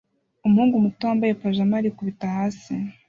Umuhungu muto wambaye pajama arikubita hasi